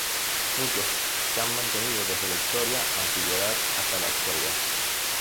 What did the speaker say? Muchos se han mantenido desde la Historia antigüedad hasta la actualidad.